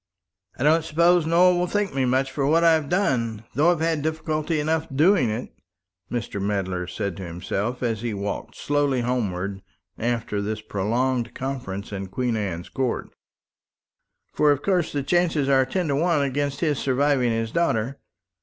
"I don't suppose Nowell will thank me much for what I've done, though I've had difficulty enough in doing it," Mr. Medler said to himself, as he walked slowly homewards after this prolonged conference in Queen Anne's Court. "For of course the chances are ten to one against his surviving his daughter.